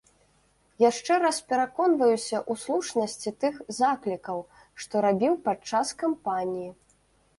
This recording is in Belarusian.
Яшчэ раз пераконваюся ў слушнасці тых заклікаў, што рабіў падчас кампаніі.